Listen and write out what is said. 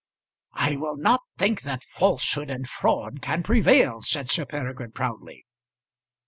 "I will not think that falsehood and fraud can prevail," said Sir Peregrine proudly.